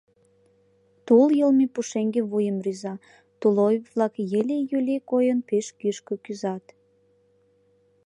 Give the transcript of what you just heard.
Тул йылме пушеҥге вуйым рӱза, тулойып-влак, йыли-юли койын, пеш кӱшкӧ кӱзат.